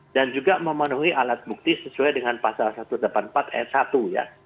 dan juga memenuhi alat bukti sesuai dengan pasal satu ratus delapan puluh empat s satu ya